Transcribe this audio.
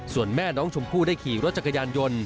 ส่วนแม่น้องชมพู่ได้ขี่รถจักรยานยนต์